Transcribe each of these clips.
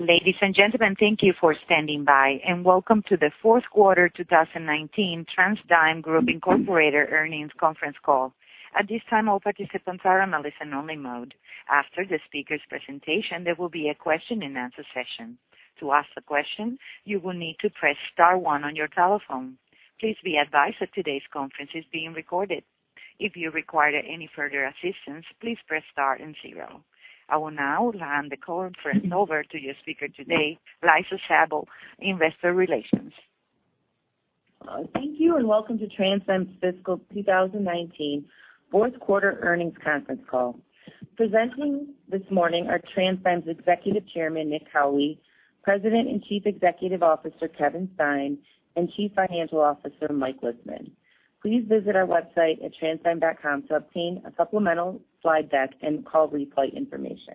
Ladies and gentlemen, thank you for standing by, and welcome to the fourth quarter 2019 TransDigm Group Incorporated earnings conference call. At this time, all participants are on a listen-only mode. After the speakers' presentation, there will be a question-and-answer session. To ask a question, you will need to press star one on your telephone. Please be advised that today's conference is being recorded. If you require any further assistance, please press star and zero. I will now hand the conference over to your speaker today, Liza Sabol, Investor Relations. Thank you, and welcome to TransDigm's fiscal 2019 fourth quarter earnings conference call. Presenting this morning are TransDigm's Executive Chairman, Nick Howley, President and Chief Executive Officer, Kevin Stein, and Chief Financial Officer, Mike Lisman. Please visit our website at transdigm.com to obtain a supplemental slide deck and call replay information.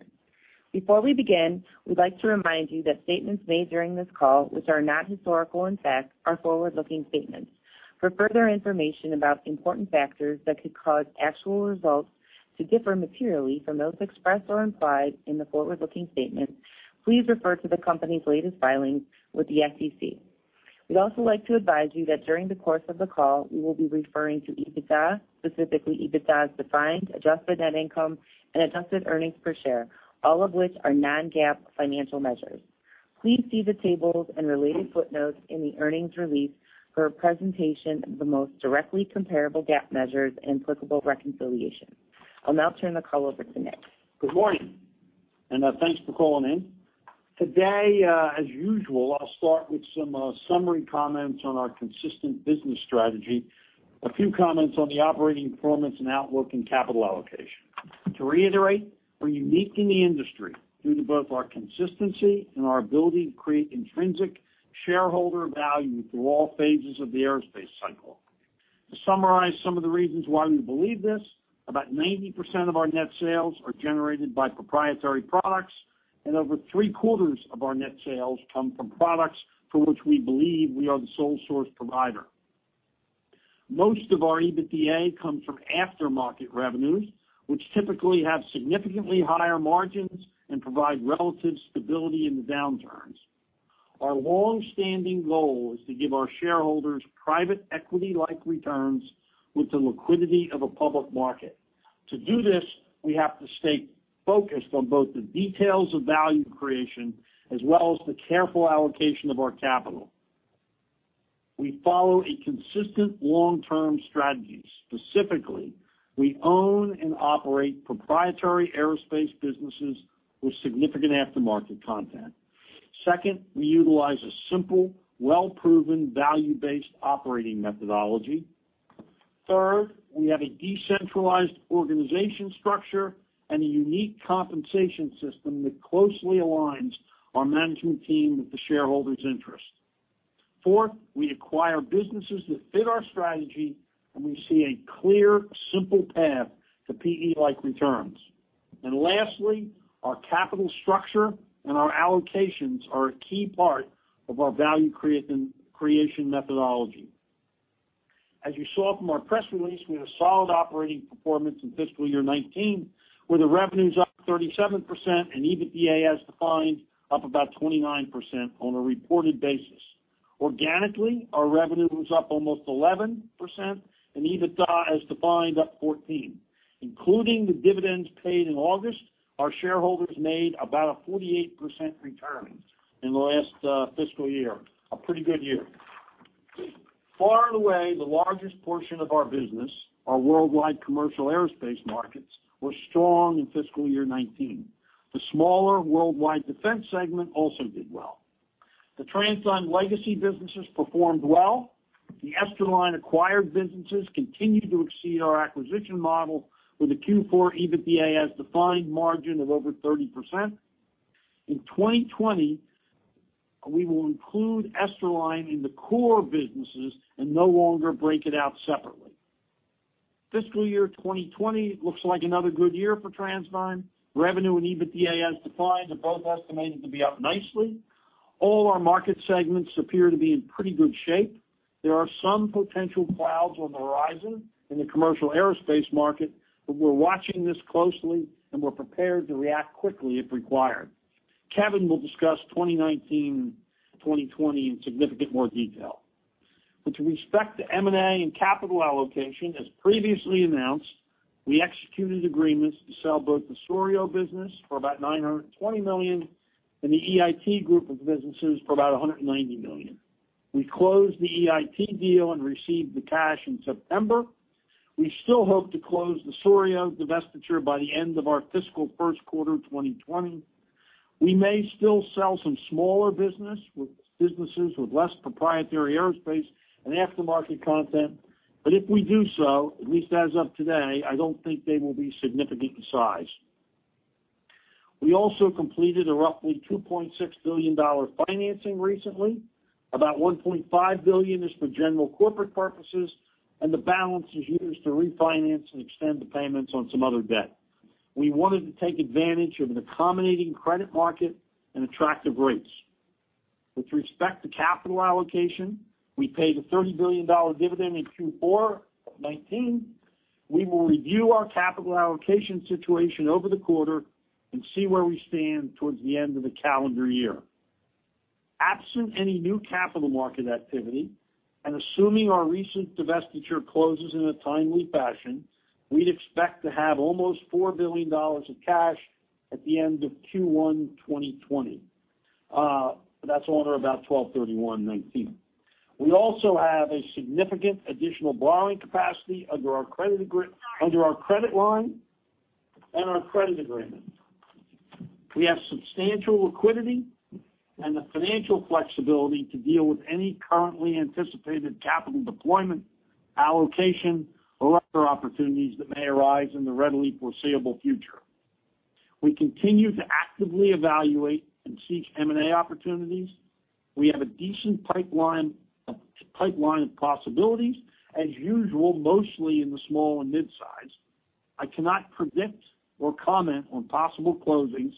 Before we begin, we'd like to remind you that statements made during this call, which are not historical in fact, are forward-looking statements. For further information about important factors that could cause actual results to differ materially from those expressed or implied in the forward-looking statement, please refer to the company's latest filings with the SEC. We'd also like to advise you that during the course of the call, we will be referring to EBITDA, specifically EBITDA as defined, adjusted net income, and adjusted earnings per share, all of which are non-GAAP financial measures. Please see the tables and related footnotes in the earnings release for a presentation of the most directly comparable GAAP measures and applicable reconciliation. I'll now turn the call over to Nick. Good morning, and thanks for calling in. Today, as usual, I'll start with some summary comments on our consistent business strategy, a few comments on the operating performance and outlook, and capital allocation. To reiterate, we're unique in the industry due to both our consistency and our ability to create intrinsic shareholder value through all phases of the aerospace cycle. To summarize some of the reasons why we believe this, about 90% of our net sales are generated by proprietary products, and over three-quarters of our net sales come from products for which we believe we are the sole source provider. Most of our EBITDA comes from aftermarket revenues, which typically have significantly higher margins and provide relative stability in the downturns. Our longstanding goal is to give our shareholders private equity-like returns with the liquidity of a public market. To do this, we have to stay focused on both the details of value creation as well as the careful allocation of our capital. We follow a consistent long-term strategy. Specifically, we own and operate proprietary aerospace businesses with significant aftermarket content. Second, we utilize a simple, well-proven, value-based operating methodology. Third, we have a decentralized organization structure and a unique compensation system that closely aligns our management team with the shareholders' interest. Fourth, we acquire businesses that fit our strategy, and we see a clear, simple path to PE-like returns. Lastly, our capital structure and our allocations are a key part of our value creation methodology. As you saw from our press release, we had a solid operating performance in fiscal year 2019, where the revenue's up 37%, and EBITDA as defined, up about 29% on a reported basis. Organically, our revenue was up almost 11%, and EBITDA as defined, up 14%. Including the dividends paid in August, our shareholders made about a 48% return in the last fiscal year. A pretty good year. Far and away, the largest portion of our business, our worldwide commercial aerospace markets, were strong in fiscal year 2019. The smaller worldwide defense segment also did well. The TransDigm legacy businesses performed well. The Esterline-acquired businesses continue to exceed our acquisition model with a Q4 EBITDA as defined margin of over 30%. In 2020, we will include Esterline in the core businesses and no longer break it out separately. Fiscal year 2020 looks like another good year for TransDigm. Revenue and EBITDA as defined are both estimated to be up nicely. All our market segments appear to be in pretty good shape. There are some potential clouds on the horizon in the commercial aerospace market, but we're watching this closely, and we're prepared to react quickly if required. Kevin will discuss 2019-2020 in significant more detail. With respect to M&A and capital allocation, as previously announced, we executed agreements to sell both the Souriau-Sunbank business for about $920 million and the EIT group of businesses for about $190 million. We closed the EIT deal and received the cash in September. We still hope to close the Souriau-Sunbank divestiture by the end of our fiscal first quarter 2020. We may still sell some smaller businesses with less proprietary aerospace and aftermarket content, but if we do so, at least as of today, I don't think they will be significant in size. We also completed a roughly $2.6 billion financing recently. About $1.5 billion is for general corporate purposes, and the balance is used to refinance and extend the payments on some other debt. We wanted to take advantage of an accommodating credit market and attractive rates. With respect to capital allocation, we paid a $30 billion dividend in Q4 2019. We will review our capital allocation situation over the quarter and see where we stand towards the end of the calendar year. Absent any new capital market activity, and assuming our recent divestiture closes in a timely fashion, we'd expect to have almost $4 billion of cash at the end of Q1 2020. That's on or about 12/31/2019. We also have a significant additional borrowing capacity under our credit line and our credit agreement. We have substantial liquidity and the financial flexibility to deal with any currently anticipated capital deployment, allocation, or other opportunities that may arise in the readily foreseeable future. We continue to actively evaluate and seek M&A opportunities. We have a decent pipeline of possibilities, as usual, mostly in the small and mid-size. I cannot predict or comment on possible closings,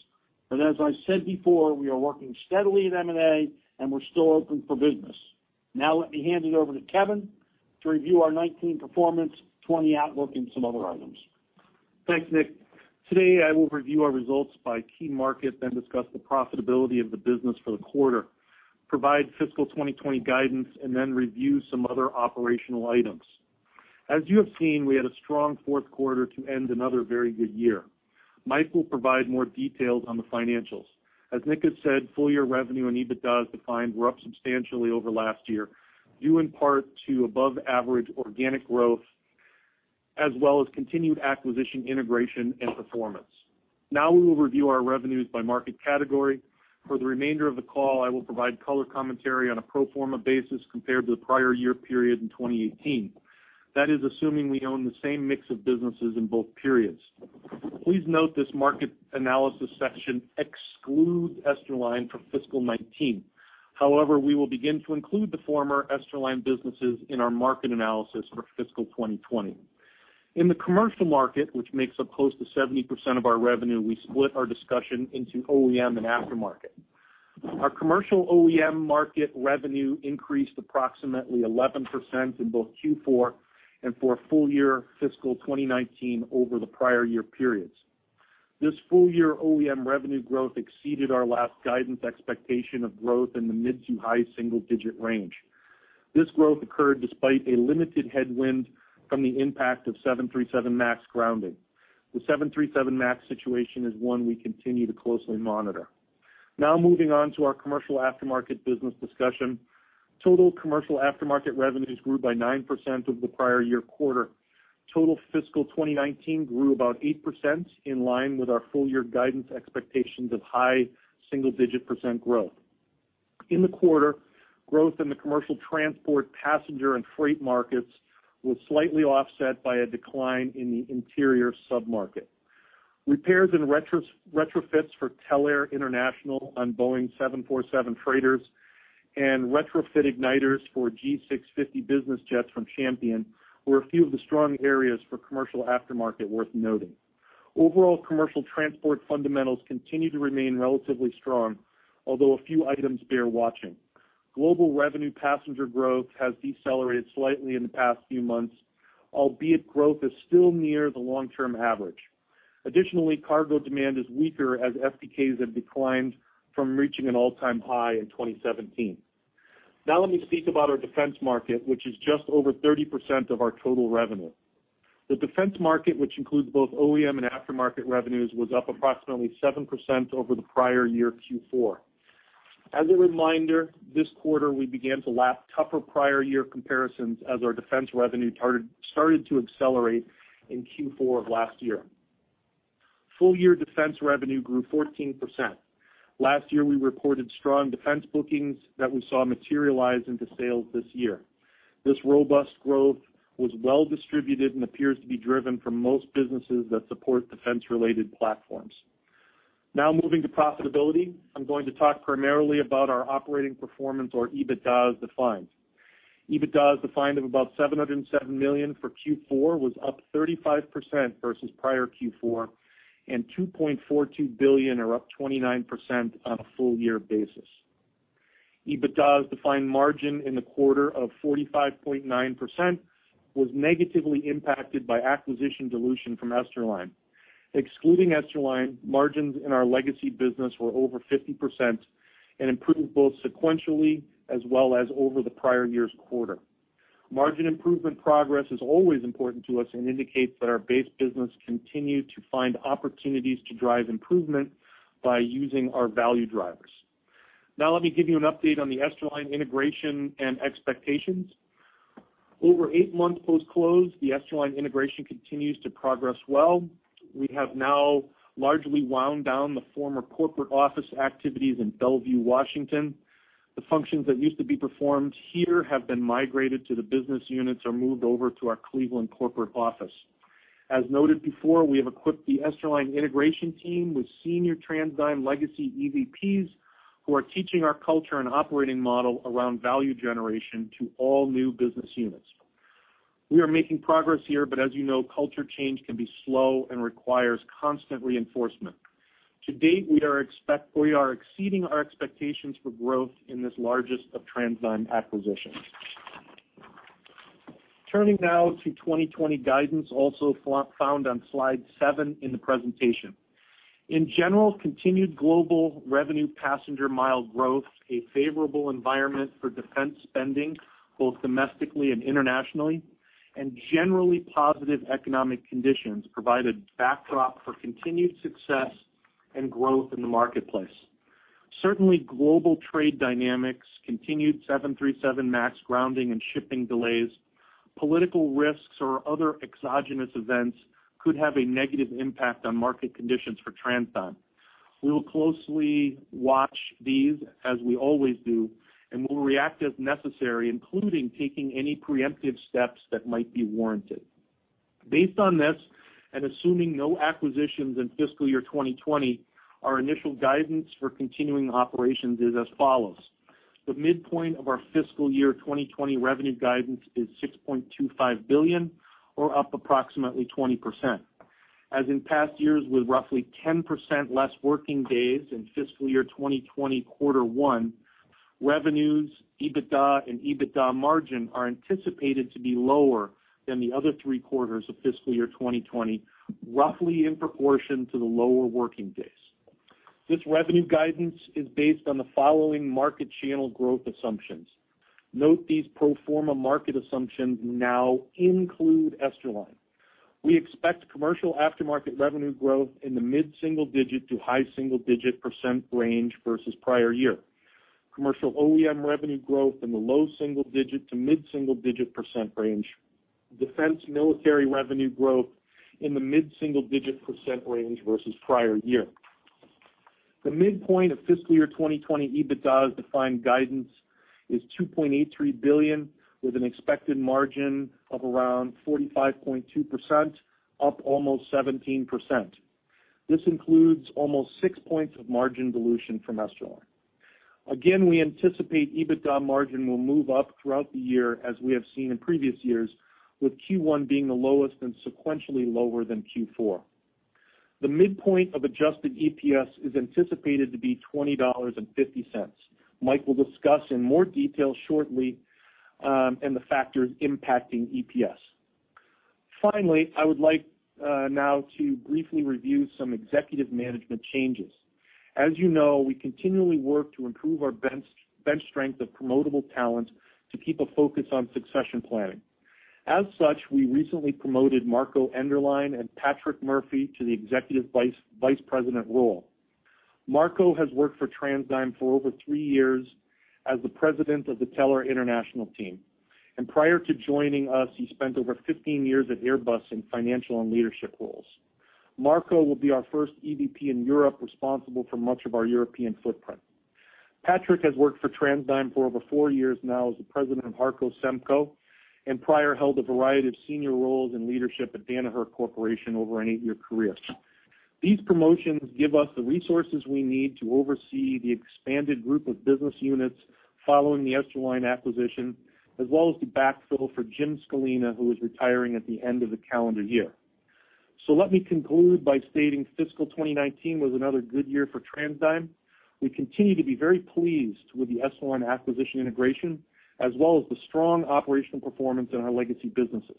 but as I said before, we are working steadily in M&A, and we're still open for business. Now let me hand it over to Kevin to review our 2019 performance, 2020 outlook, and some other items. Thanks, Nick. Today, I will review our results by key market, then discuss the profitability of the business for the quarter, provide fiscal 2020 guidance, and then review some other operational items. As you have seen, we had a strong fourth quarter to end another very good year. Mike will provide more details on the financials. As Nick has said, full-year revenue and EBITDA as defined were up substantially over last year, due in part to above-average organic growth, as well as continued acquisition integration and performance. Now we will review our revenues by market category. For the remainder of the call, I will provide color commentary on a pro forma basis compared to the prior year period in 2018. That is assuming we own the same mix of businesses in both periods. Please note this market analysis section excludes Esterline from fiscal 2019. We will begin to include the former Esterline businesses in our market analysis for fiscal 2020. In the commercial market, which makes up close to 70% of our revenue, we split our discussion into OEM and aftermarket. Our commercial OEM market revenue increased approximately 11% in both Q4 and for full year fiscal 2019 over the prior year periods. This full-year OEM revenue growth exceeded our last guidance expectation of growth in the mid to high single-digit range. This growth occurred despite a limited headwind from the impact of 737 MAX grounding. The 737 MAX situation is one we continue to closely monitor. Moving on to our commercial aftermarket business discussion. Total commercial aftermarket revenues grew by 9% over the prior year quarter. Total fiscal 2019 grew about 8%, in line with our full-year guidance expectations of high single-digit percent growth. In the quarter, growth in the commercial transport passenger and freight markets was slightly offset by a decline in the interior sub-market. Repairs and retrofits for Telair International on Boeing 747 freighters and retrofit igniters for G650 business jets from Champion were a few of the strong areas for commercial aftermarket worth noting. Overall commercial transport fundamentals continue to remain relatively strong, although a few items bear watching. Global revenue passenger growth has decelerated slightly in the past few months, albeit growth is still near the long-term average. Additionally, cargo demand is weaker as FTKs have declined from reaching an all-time high in 2017. Now let me speak about our defense market, which is just over 30% of our total revenue. The defense market, which includes both OEM and aftermarket revenues, was up approximately 7% over the prior year Q4. As a reminder, this quarter, we began to lap tougher prior year comparisons as our defense revenue started to accelerate in Q4 of last year. Full-year defense revenue grew 14%. Last year, we reported strong defense bookings that we saw materialize into sales this year. This robust growth was well distributed and appears to be driven from most businesses that support defense-related platforms. Now moving to profitability. I'm going to talk primarily about our operating performance or EBITDA as defined. EBITDA as defined of about $707 million for Q4 was up 35% versus prior Q4 and $2.42 billion or up 29% on a full year basis. EBITDA as defined margin in the quarter of 45.9% was negatively impacted by acquisition dilution from Esterline. Excluding Esterline, margins in our legacy business were over 50% and improved both sequentially as well as over the prior year's quarter. Margin improvement progress is always important to us and indicates that our base business continued to find opportunities to drive improvement by using our value drivers. Now let me give you an update on the Esterline integration and expectations. Over eight months post-close, the Esterline integration continues to progress well. We have now largely wound down the former corporate office activities in Bellevue, Washington. The functions that used to be performed here have been migrated to the business units or moved over to our Cleveland corporate office. As noted before, we have equipped the Esterline integration team with senior TransDigm legacy EVPs, who are teaching our culture and operating model around value generation to all new business units. We are making progress here, but as you know, culture change can be slow and requires constant reinforcement. To date, we are exceeding our expectations for growth in this largest of TransDigm acquisitions. Turning now to 2020 guidance, also found on slide seven in the presentation. In general, continued global revenue passenger mile growth, a favorable environment for defense spending, both domestically and internationally, and generally positive economic conditions provide a backdrop for continued success and growth in the marketplace. Certainly, global trade dynamics, continued 737 MAX grounding and shipping delays, political risks, or other exogenous events could have a negative impact on market conditions for TransDigm. We will closely watch these as we always do, and we will react as necessary, including taking any preemptive steps that might be warranted. Based on this, and assuming no acquisitions in fiscal year 2020, our initial guidance for continuing operations is as follows. The midpoint of our fiscal year 2020 revenue guidance is $6.25 billion or up approximately 20%. As in past years, with roughly 10% less working days in fiscal year 2020 quarter 1, revenues, EBITDA, and EBITDA margin are anticipated to be lower than the other three quarters of fiscal year 2020, roughly in proportion to the lower working days. This revenue guidance is based on the following market channel growth assumptions. Note these pro forma market assumptions now include Esterline. We expect commercial aftermarket revenue growth in the mid-single digit to high single-digit % range versus prior year. Commercial OEM revenue growth in the low-single digit to mid-single digit % range. Defense military revenue growth in the mid-single digit % range versus prior year. The midpoint of fiscal year 2020 EBITDA as defined guidance is $2.83 billion, with an expected margin of around 45.2%, up almost 17%. This includes almost six points of margin dilution from Esterline. Again, we anticipate EBITDA margin will move up throughout the year, as we have seen in previous years, with Q1 being the lowest and sequentially lower than Q4. The midpoint of adjusted EPS is anticipated to be $20.50. Mike will discuss in more detail shortly, and the factors impacting EPS. Finally, I would like now to briefly review some executive management changes. As you know, we continually work to improve our bench strength of promotable talent to keep a focus on succession planning. As such, we recently promoted Marko Enderlein and Patrick Murphy to the executive vice president role. Marko has worked for TransDigm for over three years as the president of the Telair International team. Prior to joining us, he spent over 15 years at Airbus in financial and leadership roles. Marko will be our first EVP in Europe, responsible for much of our European footprint. Patrick has worked for TransDigm for over four years now as the president of HarcoSemco, and prior held a variety of senior roles in leadership at Danaher Corporation over an eight-year career. These promotions give us the resources we need to oversee the expanded group of business units following the Esterline acquisition, as well as the backfill for Jim Skulina, who is retiring at the end of the calendar year. Let me conclude by stating fiscal 2019 was another good year for TransDigm. We continue to be very pleased with the Esterline acquisition integration, as well as the strong operational performance in our legacy businesses.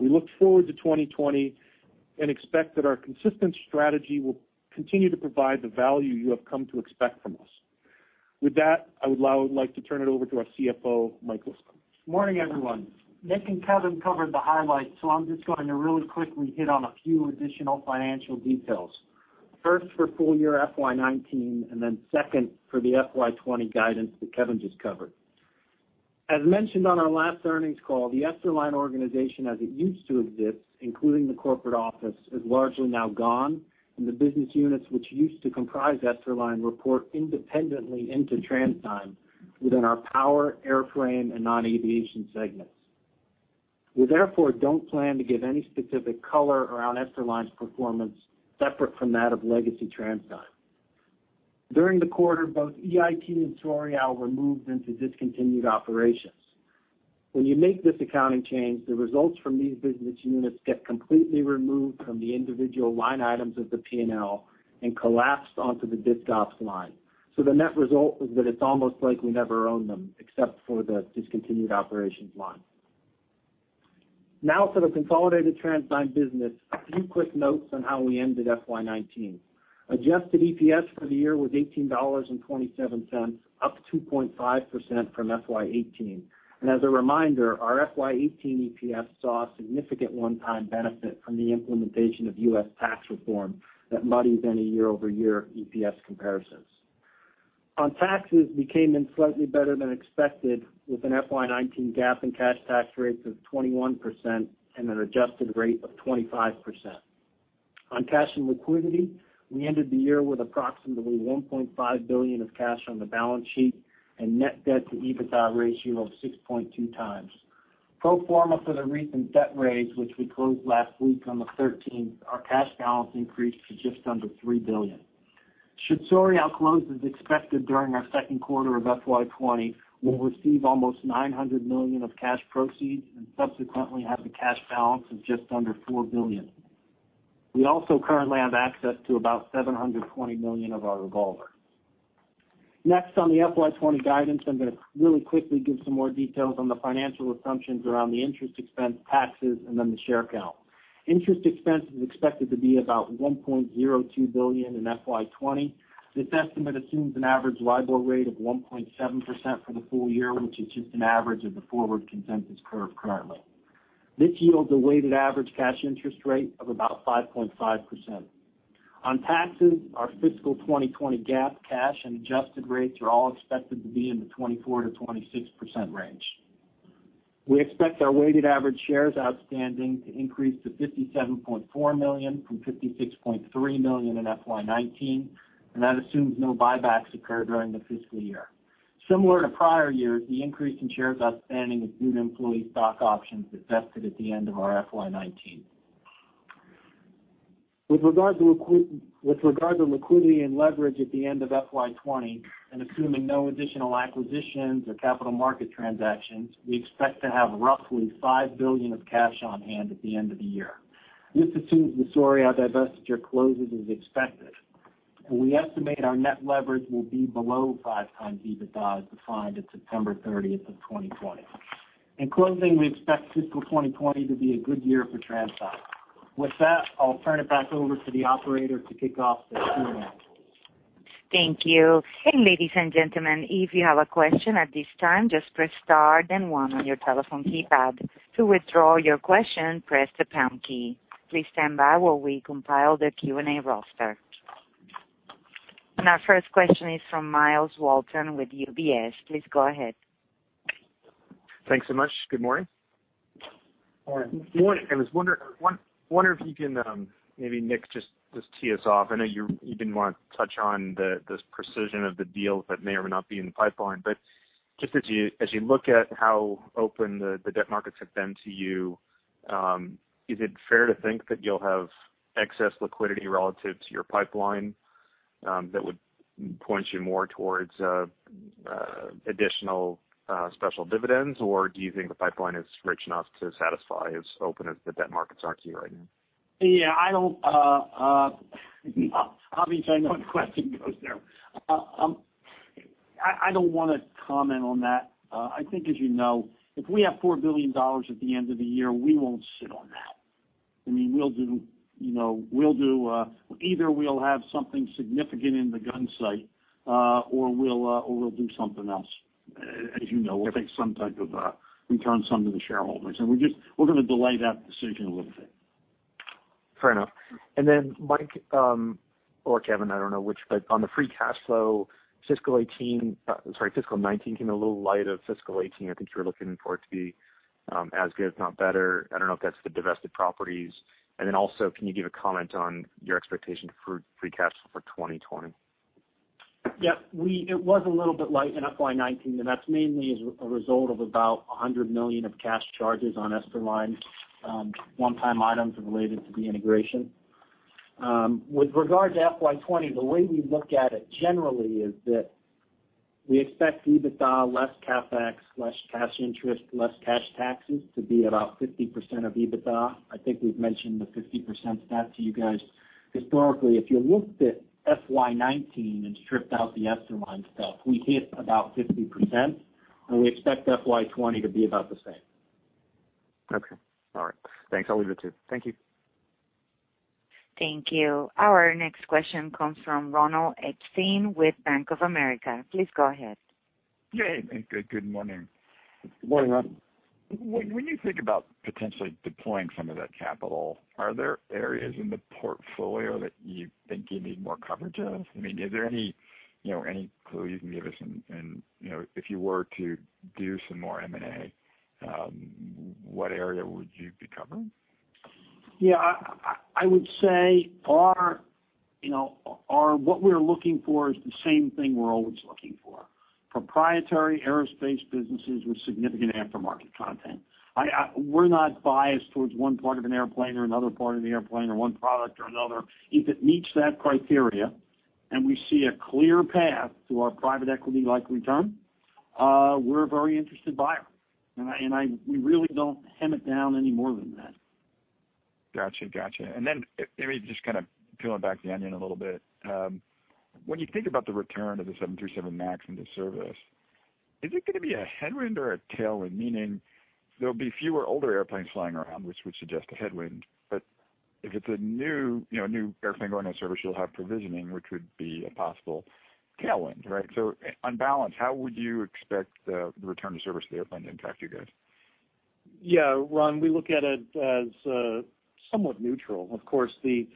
We look forward to 2020 and expect that our consistent strategy will continue to provide the value you have come to expect from us. With that, I would now like to turn it over to our CFO, Mike Lisman. Morning, everyone. Nick and Kevin covered the highlights, so I'm just going to really quickly hit on a few additional financial details. First for full year FY 2019, then second for the FY 2020 guidance that Kevin just covered. As mentioned on our last earnings call, the Esterline organization as it used to exist, including the corporate office, is largely now gone, and the business units which used to comprise Esterline report independently into TransDigm within our power, airframe, and non-aviation segments. We therefore don't plan to give any specific color around Esterline's performance separate from that of legacy TransDigm. During the quarter, both EIT and Souriau were moved into discontinued operations. When you make this accounting change, the results from these business units get completely removed from the individual line items of the P&L and collapsed onto the disc ops line. The net result is that it's almost like we never owned them, except for the discontinued operations line. Now for the consolidated TransDigm business, a few quick notes on how we ended FY 2019. Adjusted EPS for the year was $18.27, up 2.5% from FY 2018. As a reminder, our FY 2018 EPS saw a significant one-time benefit from the implementation of U.S. tax reform that muddies any year-over-year EPS comparisons. On taxes, we came in slightly better than expected, with an FY 2019 GAAP and cash tax rate of 21% and an adjusted rate of 25%. On cash and liquidity, we ended the year with approximately $1.5 billion of cash on the balance sheet and net debt to EBITDA ratio of 6.2 times. Pro forma for the recent debt raise, which we closed last week on the 13th, our cash balance increased to just under $3 billion. Should Souriau close as expected during our second quarter of FY 2020, we'll receive almost $900 million of cash proceeds and subsequently have a cash balance of just under $4 billion. We also currently have access to about $720 million of our revolver. Next, on the FY 2020 guidance, I'm going to really quickly give some more details on the financial assumptions around the interest expense taxes and then the share count. Interest expense is expected to be about $1.02 billion in FY 2020. This estimate assumes an average LIBOR rate of 1.7% for the full year, which is just an average of the forward consensus curve currently. This yields a weighted average cash interest rate of about 5.5%. On taxes, our fiscal 2020 GAAP cash and adjusted rates are all expected to be in the 24%-26% range. We expect our weighted average shares outstanding to increase to 57.4 million from 56.3 million in FY 2019, and that assumes no buybacks occur during the fiscal year. Similar to prior years, the increase in shares outstanding is due to employee stock options that vested at the end of our FY 2019. With regard to liquidity and leverage at the end of FY 2020, and assuming no additional acquisitions or capital market transactions, we expect to have roughly $5 billion of cash on hand at the end of the year. This assumes the Souriau-Sunbank divestiture closes as expected. We estimate our net leverage will be below five times EBITDA as defined at September 30th, 2020. In closing, we expect fiscal 2020 to be a good year for TransDigm. With that, I'll turn it back over to the operator to kick off the Q&A. Thank you. Ladies and gentlemen, if you have a question at this time, just press star then one on your telephone keypad. To withdraw your question, press the pound key. Please stand by while we compile the Q&A roster. Our first question is from Myles Walton with UBS. Please go ahead. Thanks so much. Good morning. Morning. I was wondering if you can, maybe Nick, just tee us off. I know you didn't want to touch on the precision of the deals that may or may not be in the pipeline. Just as you look at how open the debt markets have been to you, is it fair to think that you'll have excess liquidity relative to your pipeline that would point you more towards additional special dividends? Do you think the pipeline is rich enough to satisfy as open as the debt markets are to you right now? Obviously I know where the question goes there. I don't want to comment on that. I think as you know, if we have $4 billion at the end of the year, we won't sit on that. Either we'll have something significant in the gun sight, or we'll do something else. As you know, we'll take some type of return some to the shareholders, and we're going to delay that decision a little bit. Fair enough. Mike, or Kevin, I don't know which, but on the free cash flow, fiscal 2019 came a little light of fiscal 2018. I think you were looking for it to be as good, if not better. I don't know if that's the divested properties. Also, can you give a comment on your expectation for free cash flow for 2020? Yeah. It was a little bit light in FY 2019, and that's mainly as a result of about $100 million of cash charges on Esterline, one-time items related to the integration. With regard to FY 2020, the way we look at it generally is that we expect EBITDA, less CapEx, less cash interest, less cash taxes, to be about 50% of EBITDA. I think we've mentioned the 50% stat to you guys historically. If you looked at FY 2019 and stripped out the Esterline stuff, we hit about 50%, and we expect FY 2020 to be about the same. Okay. All right. Thanks. I'll leave it, too. Thank you. Thank you. Our next question comes from Ronald Epstein with Bank of America. Please go ahead. Hey, Nick. Good morning. Morning, Ron. When you think about potentially deploying some of that capital, are there areas in the portfolio that you think you need more coverage of? Is there any clue you can give us in, if you were to do some more M&A, what area would you be covering? Yeah. I would say what we're looking for is the same thing we're always looking for. Proprietary aerospace businesses with significant aftermarket content. We're not biased towards one part of an airplane or another part of the airplane, or one product or another. If it meets that criteria and we see a clear path to our private equity-like return, we're a very interested buyer. We really don't hem it down any more than that. Got you. Maybe just kind of peeling back the onion a little bit. When you think about the return of the 737 MAX into service, is it going to be a headwind or a tailwind? Meaning there'll be fewer older airplanes flying around, which would suggest a headwind. If it's a new airplane going into service, you'll have provisioning, which would be a possible tailwind. Right? On balance, how would you expect the return of service of the airplane to impact you guys? Yeah, Ron, we look at it as somewhat neutral. Of course, the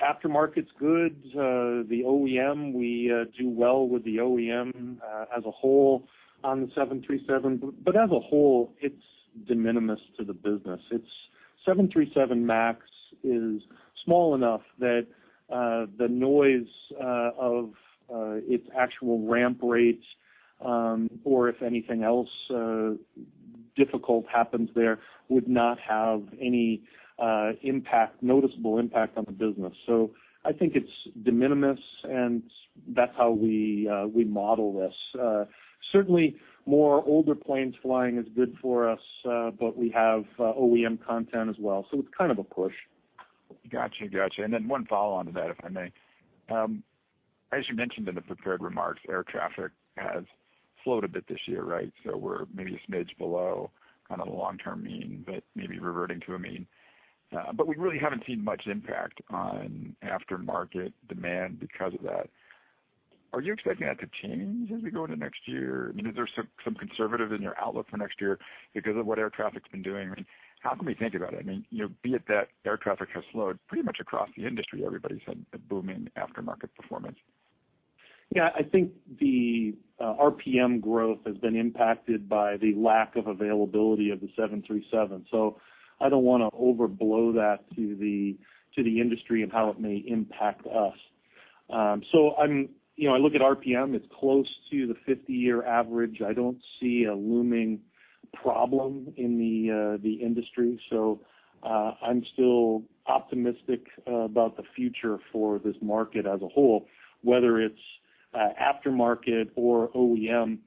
aftermarket goods, the OEM, we do well with the OEM as a whole on the 737. As a whole, it's de minimis to the business. 737 MAX is small enough that the noise of its actual ramp rates. If anything else difficult happens there, would not have any noticeable impact on the business. I think it's de minimis, and that's how we model this. Certainly, more older planes flying is good for us, but we have OEM content as well, so it's kind of a push. Got you. Then one follow-on to that, if I may. As you mentioned in the prepared remarks, air traffic has slowed a bit this year, right? We're maybe a smidge below the long-term mean, maybe reverting to a mean. We really haven't seen much impact on aftermarket demand because of that. Are you expecting that to change as we go into next year? Is there some conservative in your outlook for next year because of what air traffic's been doing? How can we think about it? Be it that air traffic has slowed pretty much across the industry. Everybody's had a boom in aftermarket performance. Yeah, I think the RPM growth has been impacted by the lack of availability of the 737. I don't want to overblow that to the industry and how it may impact us. I look at RPM, it's close to the 50-year average. I don't see a looming problem in the industry. I'm still optimistic about the future for this market as a whole, whether it's aftermarket or OEM.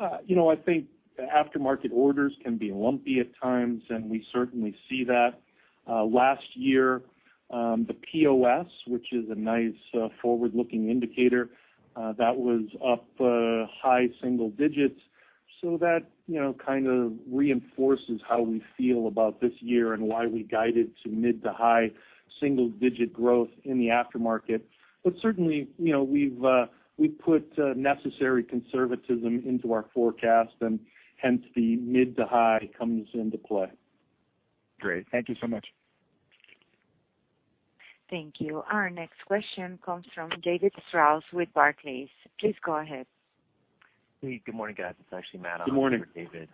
I think aftermarket orders can be lumpy at times, and we certainly see that. Last year, the POS, which is a nice forward-looking indicator, that was up high single digits. That kind of reinforces how we feel about this year and why we guided to mid to high single-digit growth in the aftermarket. Certainly, we've put necessary conservatism into our forecast and hence the mid to high comes into play. Great. Thank you so much. Thank you. Our next question comes from David Strauss with Barclays. Please go ahead. Hey, good morning, guys. It's actually Matt. Good morning. for David.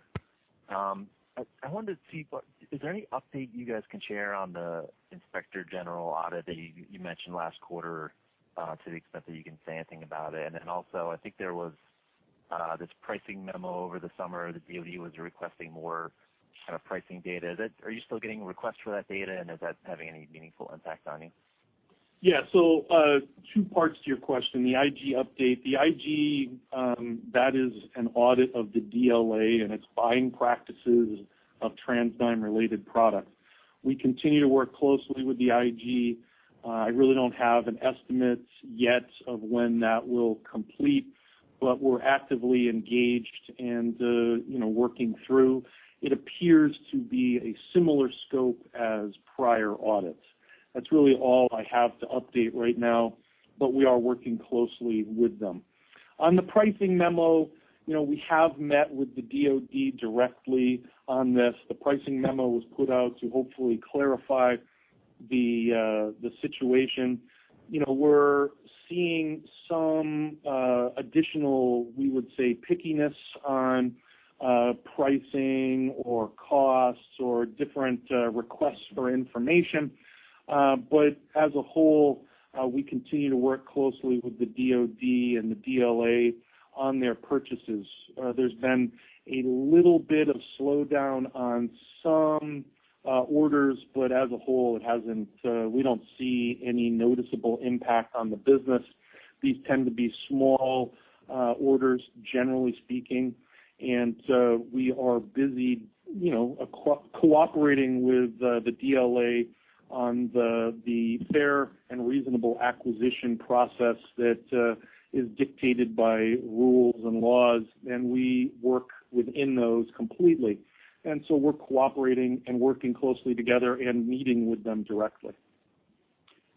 I wanted to see, is there any update you guys can share on the Inspector General audit that you mentioned last quarter to the extent that you can say anything about it? Also, I think there was this pricing memo over the summer that DoD was requesting more kind of pricing data. Are you still getting requests for that data, and is that having any meaningful impact on you? Two parts to your question. The IG update. The IG, that is an audit of the DLA and its buying practices of TransDigm-related products. We continue to work closely with the IG. I really don't have an estimate yet of when that will complete, but we're actively engaged and working through. It appears to be a similar scope as prior audits. That's really all I have to update right now, but we are working closely with them. On the pricing memo, we have met with the DoD directly on this. The pricing memo was put out to hopefully clarify the situation. We're seeing some additional, we would say, pickiness on pricing or costs or different requests for information. As a whole, we continue to work closely with the DoD and the DLA on their purchases. There's been a little bit of slowdown on some orders, but as a whole, we don't see any noticeable impact on the business. These tend to be small orders, generally speaking, and we are busy cooperating with the DLA on the fair and reasonable acquisition process that is dictated by rules and laws, and we work within those completely. We're cooperating and working closely together and meeting with them directly.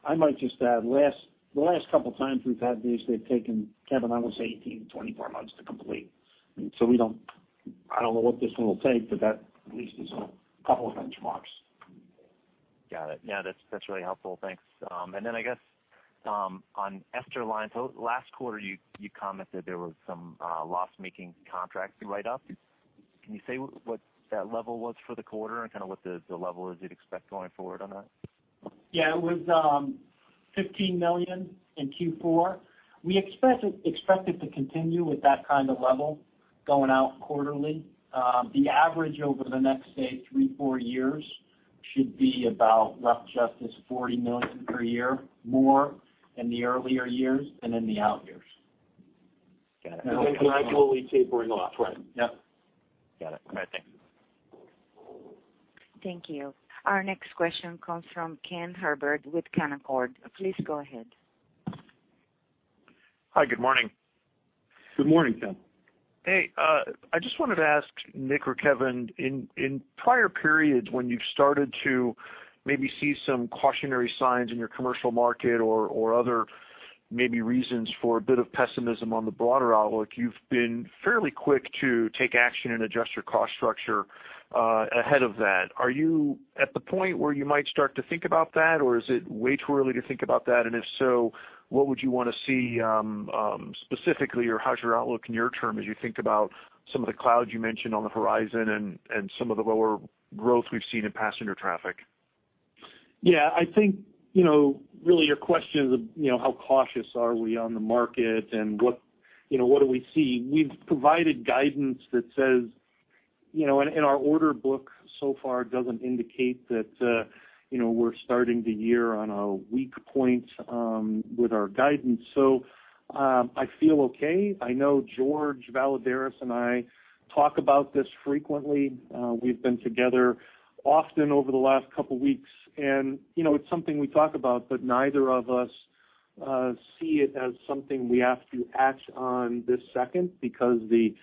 I might just add, the last couple times we've had these, they've taken, Kevin, I would say 18 to 24 months to complete. I don't know what this one will take, but that at least is a couple of benchmarks. Got it. Yeah, that's really helpful. Thanks. Then I guess, on Esterline, so last quarter you commented there was some loss-making contracts to write up. Can you say what that level was for the quarter and kind of what the level is you'd expect going forward on that? Yeah. It was $15 million in Q4. We expect it to continue with that kind of level going out quarterly. The average over the next, say, three, four years should be about, rough justice, $40 million per year, more in the earlier years and in the out years. Got it. Gradually tapering off, right? Yep. Got it. All right. Thank you. Thank you. Our next question comes from Ken Herbert with Canaccord. Please go ahead. Hi. Good morning. Good morning, Ken. Hey, I just wanted to ask Nick or Kevin, in prior periods when you've started to maybe see some cautionary signs in your commercial market or other maybe reasons for a bit of pessimism on the broader outlook, you've been fairly quick to take action and adjust your cost structure ahead of that. Are you at the point where you might start to think about that, or is it way too early to think about that? If so, what would you want to see specifically, or how's your outlook near-term as you think about some of the clouds you mentioned on the horizon and some of the lower growth we've seen in passenger traffic? Yeah, I think, really your question is, how cautious are we on the market and what do we see? We've provided guidance that says, our order book so far doesn't indicate that we're starting the year on a weak point with our guidance. I feel okay. I know Jorge Valladares and I talk about this frequently. We've been together often over the last couple of weeks, it's something we talk about, neither of us see it as something we have to act on this second because the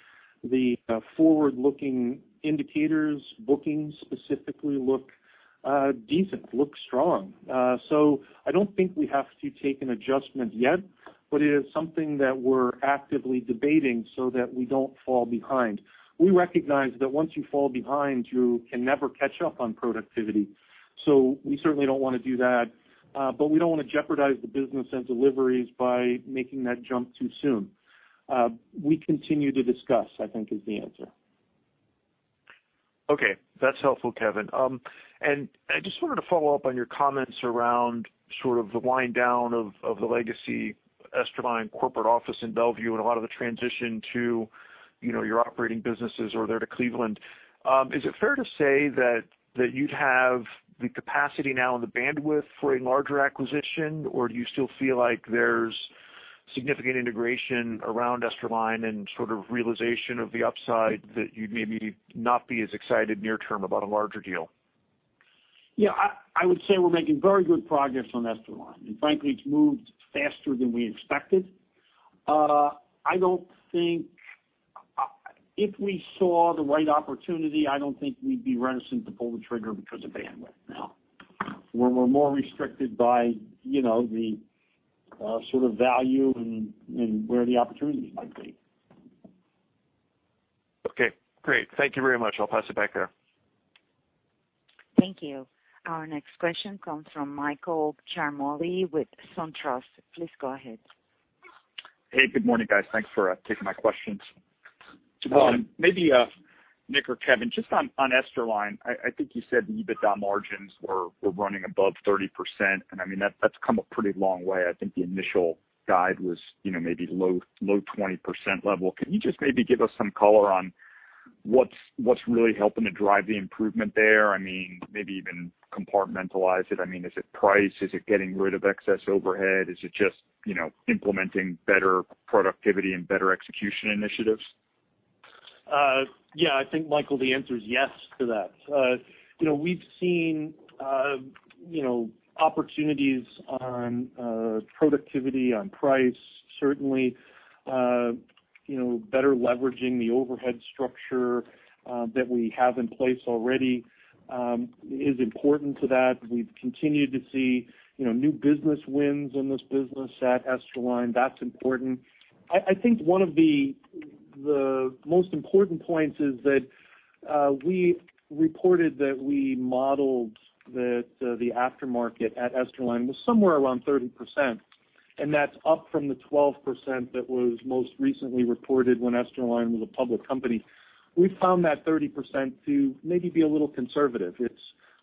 forward-looking indicators, bookings specifically look decent, look strong. I don't think we have to take an adjustment yet, it is something that we're actively debating so that we don't fall behind. We recognize that once you fall behind, you can never catch up on productivity. We certainly don't want to do that. We don't want to jeopardize the business and deliveries by making that jump too soon. We continue to discuss, I think is the answer. Okay. That's helpful, Kevin. I just wanted to follow up on your comments around sort of the wind down of the legacy Esterline corporate office in Bellevue and a lot of the transition to your operating businesses are there to Cleveland. Is it fair to say that you'd have the capacity now and the bandwidth for a larger acquisition? Do you still feel like there's significant integration around Esterline and sort of realization of the upside that you'd maybe not be as excited near term about a larger deal? Yeah, I would say we're making very good progress on Esterline, and frankly, it's moved faster than we expected. If we saw the right opportunity, I don't think we'd be reticent to pull the trigger because of bandwidth now, where we're more restricted by the sort of value and where the opportunity might be. Okay, great. Thank you very much. I'll pass it back there. Thank you. Our next question comes from Michael Ciarmoli with SunTrust. Please go ahead. Hey, good morning, guys. Thanks for taking my questions. No problem. Maybe Nick or Kevin, just on Esterline, I think you said the EBITDA margins were running above 30%, and I mean, that's come a pretty long way. I think the initial guide was maybe low 20% level. Can you just maybe give us some color on what's really helping to drive the improvement there? I mean, maybe even compartmentalize it. I mean, is it price? Is it getting rid of excess overhead? Is it just implementing better productivity and better execution initiatives? Yeah, I think Michael, the answer is yes to that. We've seen opportunities on productivity, on price, certainly better leveraging the overhead structure that we have in place already is important to that. We've continued to see new business wins in this business at Esterline. That's important. I think one of the most important points is that we reported that we modeled that the aftermarket at Esterline was somewhere around 30%, and that's up from the 12% that was most recently reported when Esterline was a public company. We found that 30% to maybe be a little conservative. It's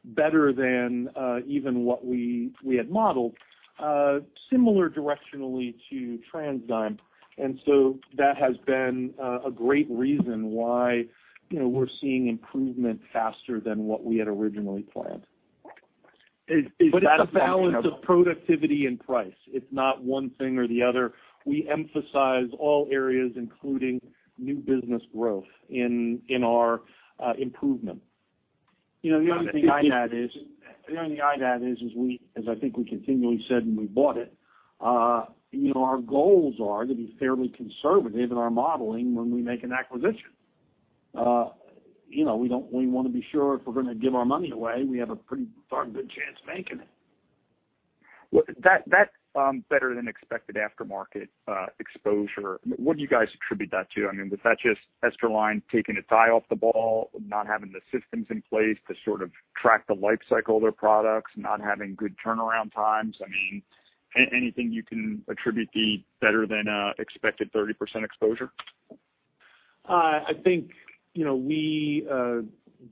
better than even what we had modeled, similar directionally to TransDigm, and so that has been a great reason why we're seeing improvement faster than what we had originally planned. Is that? It's a balance of productivity and price. It's not one thing or the other. We emphasize all areas, including new business growth in our improvement. You know the only thing I'd add is, as I think we continually said when we bought it. Our goals are to be fairly conservative in our modeling when we make an acquisition. We want to be sure if we're going to give our money away, we have a pretty darn good chance making it. Well, that better than expected aftermarket exposure. What do you guys attribute that to? I mean, was that just Esterline taking its eye off the ball, not having the systems in place to sort of track the life cycle of their products, not having good turnaround times? I mean, anything you can attribute the better than expected 30% exposure? I think we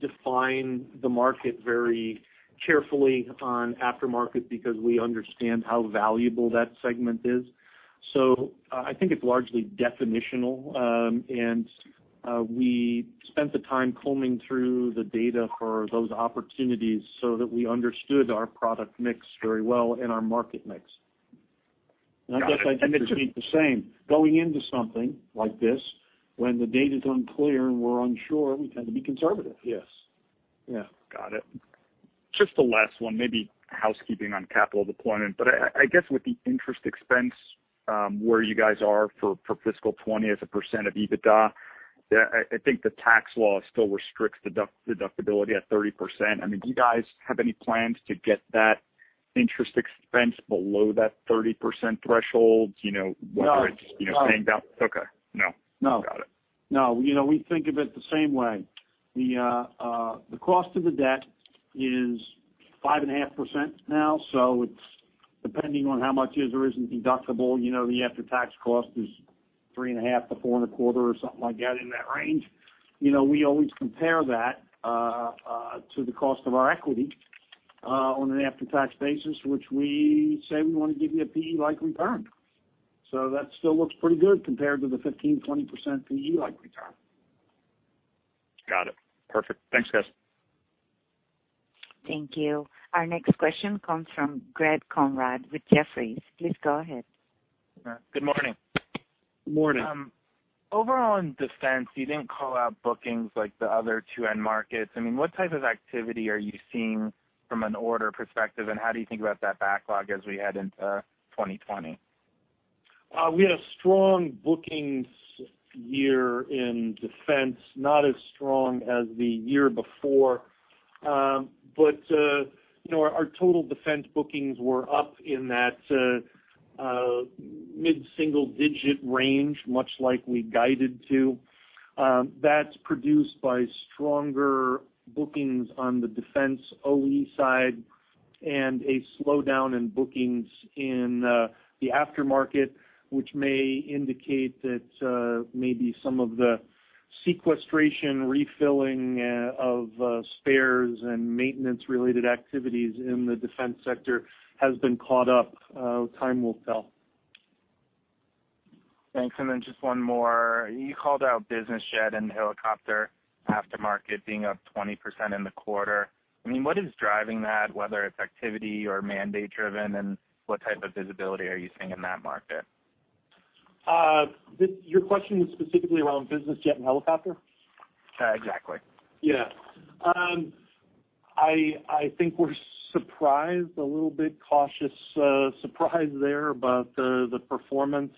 define the market very carefully on aftermarket because we understand how valuable that segment is. I think it's largely definitional. We spent the time combing through the data for those opportunities so that we understood our product mix very well and our market mix. Got you. I guess I'd repeat the same. Going into something like this, when the data's unclear and we're unsure, we tend to be conservative. Yes. Yeah. Got it. Just the last one, maybe housekeeping on capital deployment. I guess with the interest expense where you guys are for fiscal 2020 as a percent of EBITDA, I think the tax law still restricts deductibility at 30%. I mean, do you guys have any plans to get that interest expense below that 30% threshold? You know. No. Okay. No. No. Got it. No. We think of it the same way. The cost of the debt is 5.5% now. Depending on how much is or isn't deductible, the after-tax cost is 3.5%-4.25% or something like that in that range. We always compare that to the cost of our equity on an after-tax basis, which we say we want to give you a PE-like return. That still looks pretty good compared to the 15%-20% PE-like return. Got it. Perfect. Thanks, guys. Thank you. Our next question comes from Greg Konrad with Jefferies. Please go ahead. Good morning. Morning. Overall in defense, you didn't call out bookings like the other two end markets. What type of activity are you seeing from an order perspective, and how do you think about that backlog as we head into 2020? We had a strong bookings year in defense, not as strong as the year before. Our total defense bookings were up in that mid-single-digit range, much like we guided to. That's produced by stronger bookings on the defense OE side and a slowdown in bookings in the aftermarket, which may indicate that maybe some of the sequestration refilling of spares and maintenance-related activities in the defense sector has been caught up. Time will tell. Thanks. Just one more. You called out business jet and helicopter aftermarket being up 20% in the quarter. What is driving that, whether it's activity or mandate-driven, and what type of visibility are you seeing in that market? Your question is specifically around business jet and helicopter? Exactly. I think we're surprised, a little bit cautious, surprised there about the performance.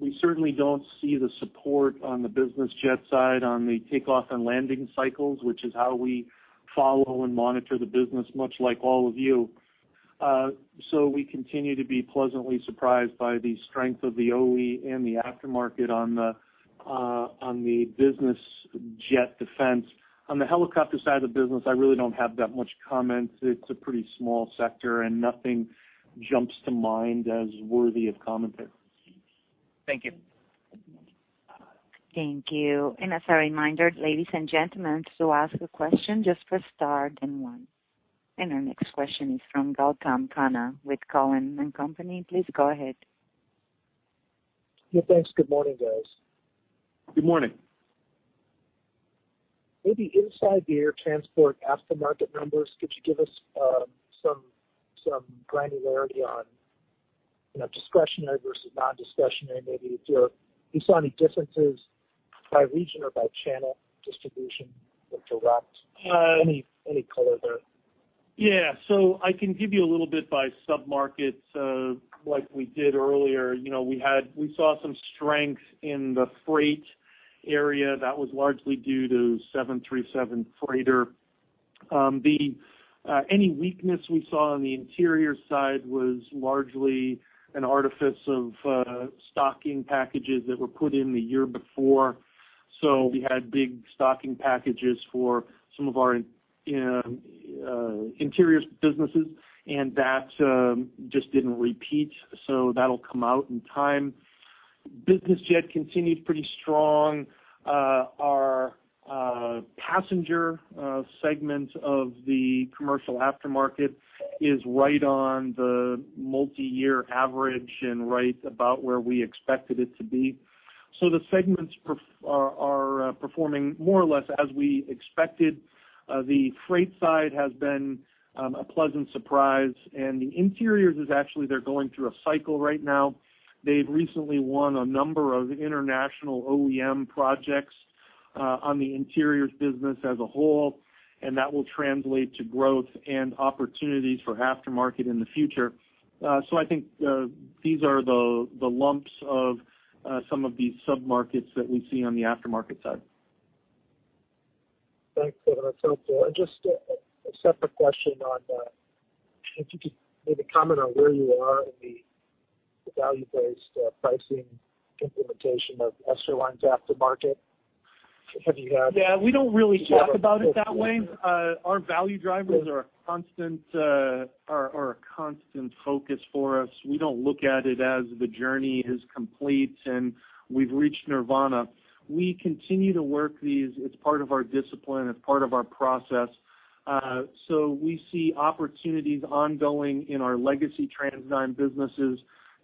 We certainly don't see the support on the business jet side on the takeoff and landing cycles, which is how we follow and monitor the business, much like all of you. We continue to be pleasantly surprised by the strength of the OE and the aftermarket on the business jet defense. On the helicopter side of the business, I really don't have that much comment. It's a pretty small sector, and nothing jumps to mind as worthy of comment there. Thank you. Thank you. As a reminder, ladies and gentlemen, to ask a question, just press star then one. Our next question is from Gautam Khanna with Cowen and Company. Please go ahead. Yeah, thanks. Good morning, guys. Good morning. Maybe inside the air transport aftermarket numbers, could you give us some granularity on discretionary versus non-discretionary? Maybe if you saw any differences by region or by channel distribution or direct. Any color there? I can give you a little bit by submarkets like we did earlier. We saw some strength in the freight area. That was largely due to 747 freighter. Any weakness we saw on the interior side was largely an artifice of stocking packages that were put in the year before. We had big stocking packages for some of our interiors businesses, and that just didn't repeat. That'll come out in time. Business jet continued pretty strong. Our passenger segment of the commercial aftermarket is right on the multi-year average and right about where we expected it to be. The segments are performing more or less as we expected. The freight side has been a pleasant surprise, and the interiors is actually they're going through a cycle right now. They've recently won a number of international OEM projects on the interiors business as a whole. That will translate to growth and opportunities for aftermarket in the future. I think these are the lumps of some of the submarkets that we see on the aftermarket side. Thanks, that's helpful. Just a separate question on if you could maybe comment on where you are in the value-based pricing implementation of Esterline's aftermarket. Yeah, we don't really talk about it that way. Our value drivers are a constant focus for us. We don't look at it as the journey is complete and we've reached nirvana. We continue to work these. It's part of our discipline. It's part of our process. We see opportunities ongoing in our legacy TransDigm businesses,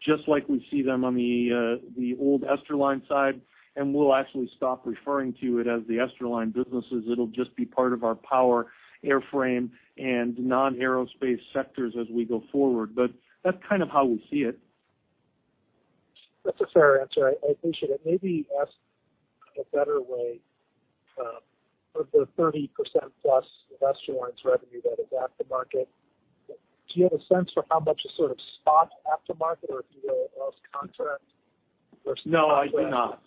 just like we see them on the old Esterline side, and we'll actually stop referring to it as the Esterline businesses. It'll just be part of our power airframe and non-aerospace sectors as we go forward. That's kind of how we see it. That's a fair answer. I appreciate it. Maybe asked a better way. Of the 30%+ of Esterline's revenue that is aftermarket, do you have a sense for how much is sort of spot aftermarket or if you know what else contract? No, I do not.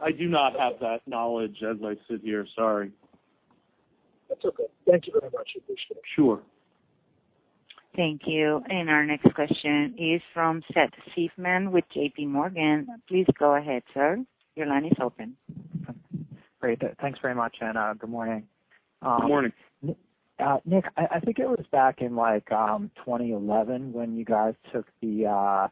I do not have that knowledge as I sit here. Sorry. That's okay. Thank you very much. Appreciate it. Sure. Thank you. Our next question is from Seth Seifman with JPMorgan. Please go ahead, sir. Your line is open. Great. Thanks very much, and good morning. Good morning. Nick, I think it was back in 2011 when you guys took the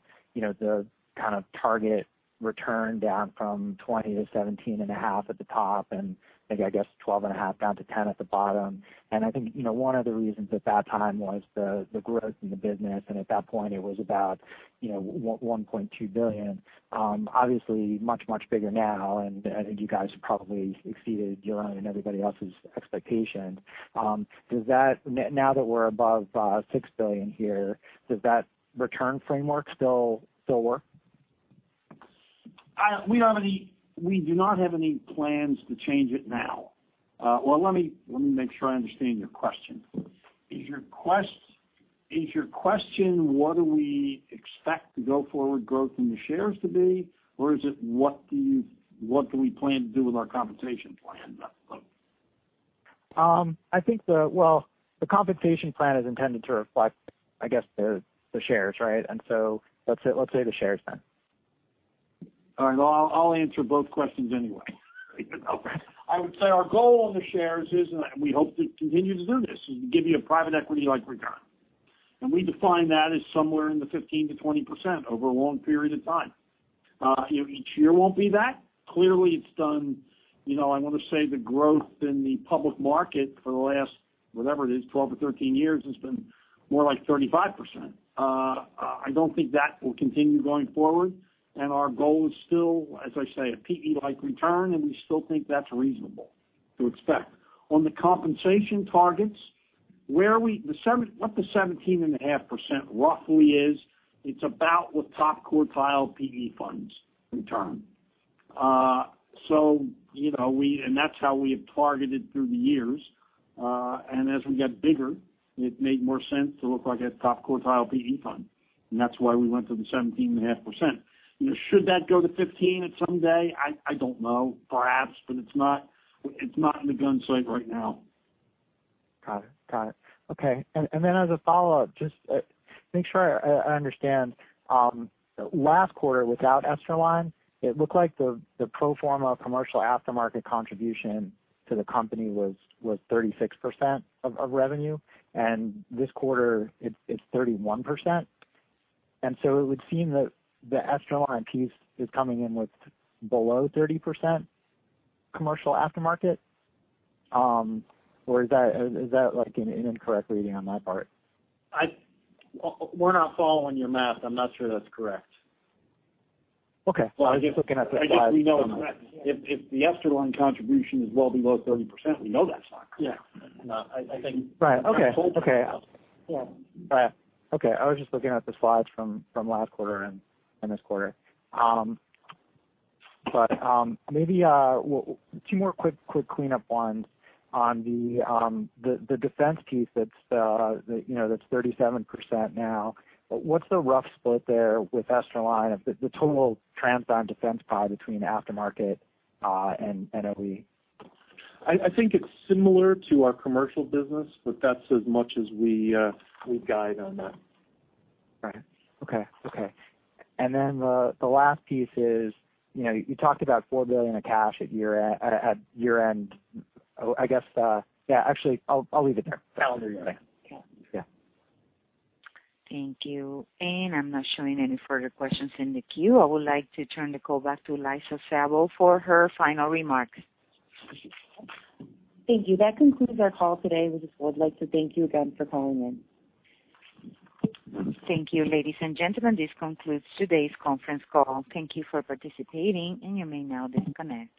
target return down from 20 to 17.5 at the top, and I guess 12.5 down to 10 at the bottom. I think one of the reasons at that time was the growth in the business, and at that point, it was about $1.2 billion. Obviously, much, much bigger now, and I think you guys have probably exceeded your and everybody else's expectation. Now that we're above $6 billion here, does that return framework still work? We do not have any plans to change it now. Well, let me make sure I understand your question. Is your question, what do we expect the go forward growth in the shares to be, or is it what do we plan to do with our compensation plan? Well, the compensation plan is intended to reflect, I guess, the shares, right? Let's say the shares, then. All right, I'll answer both questions anyway. I would say our goal on the shares is, and we hope to continue to do this, is to give you a private equity-like return. We define that as somewhere in the 15%-20% over a long period of time. Each year won't be that. Clearly, it's done, I want to say the growth in the public market for the last, whatever it is, 12 or 13 years, has been more like 35%. I don't think that will continue going forward, our goal is still, as I say, a PE-like return, and we still think that's reasonable to expect. On the compensation targets, what the 17.5% roughly is, it's about what top quartile PE funds return. That's how we have targeted through the years. As we get bigger, it made more sense to look like a top quartile PE fund, and that's why we went to the 17.5%. Should that go to 15 at some day? I don't know. Perhaps, but it's not in the gun sight right now. Got it. Okay. As a follow-up, just to make sure I understand. Last quarter, without Esterline, it looked like the pro forma commercial aftermarket contribution to the company was 36% of revenue, and this quarter it's 31%. It would seem that the Esterline piece is coming in with below 30% commercial aftermarket. Is that an incorrect reading on my part? We're not following your math. I'm not sure that's correct. Okay. Well, I was looking at the slides. If the Esterline contribution is well below 30%, we know that's not correct. Yeah. Right. Okay. Yeah. Okay. I was just looking at the slides from last quarter and this quarter. Maybe two more quick cleanup ones on the defense piece that's 37% now. What's the rough split there with Esterline, the total TransDigm Defense pie between aftermarket and OE? I think it's similar to our commercial business, but that's as much as we guide on that. Right. Okay. The last piece is, you talked about $4 billion of cash at year-end. Actually, I'll leave it there. I don't know the other thing. Okay. Yeah. Thank you. I'm not showing any further questions in the queue. I would like to turn the call back to Liza Sabol for her final remarks. Thank you. That concludes our call today. We would like to thank you again for calling in. Thank you, ladies and gentlemen. This concludes today's conference call. Thank you for participating, and you may now disconnect.